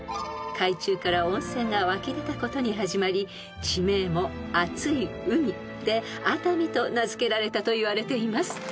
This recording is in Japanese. ［海中から温泉が湧き出たことに始まり地名も「熱い海」で熱海と名付けられたといわれています］